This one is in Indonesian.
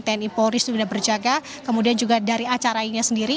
tni polri sudah berjaga kemudian juga dari acara ini sendiri